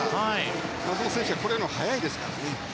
松元選手はこれよりも速いですからね。